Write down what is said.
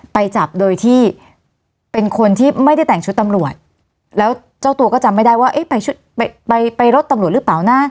ไปจับโดยที่เป็นคนที่ไม่ได้แต่งชุดตำรวจแล้วเจ้าตัวก็จำไม่ได้ว่าเอ๊ะไปชุดไปไปรถตำรวจหรือเปล่านะ